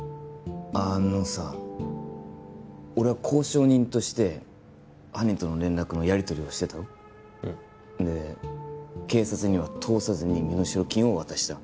あのさ俺は交渉人として犯人との連絡のやりとりをしてたろうんで警察には通さずに身代金を渡した